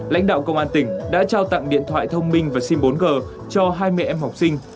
lãnh đạo công an tỉnh đã trao tặng điện thoại thông minh và sim bốn g cho hai mươi em học sinh